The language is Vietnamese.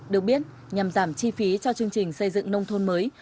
được biết nhằm giảm chi phí cho chương trình xây dựng nông thôn mới